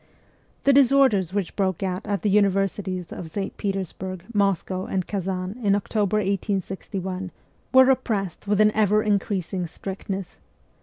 The disorders which broke out at the universities of St. Petersburg, Moscow, and Kazan in October 1861 were repressed with an ever increasing strictness.